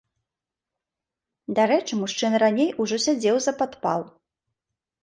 Дарэчы, мужчына раней ужо сядзеў за падпал.